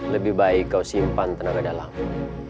lebih baik kau simpan tenaga dalam